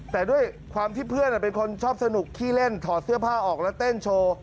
แต่ด้วยความที่เพื่อนเป็นคนชอบสนุกขี้เล่นถอดเสื้อผ้าออกแล้วเต้นโชว์